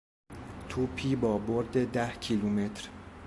توپی با برد ده کیلومتر